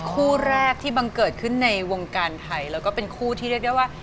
คู่แรกที่บังเกิดขึ้นในวงการไทยแล้วก็เป็นคู่ที่เรียกได้ว่า